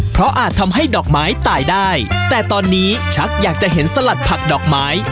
เพราะอาจทำให้ดอกไม้ตายได้แต่ตอนนี้ชักอยากจะเห็นสลัดผักดอกไม้